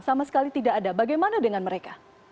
sama sekali tidak ada bagaimana dengan mereka